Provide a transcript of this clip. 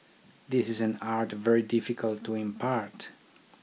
This is an art very difficult to impart.